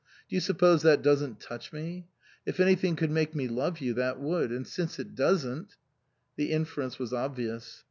Do you suppose that doesn't touch me ? If anything could make me love you, that would. And since it doesn't " The inference was obvious.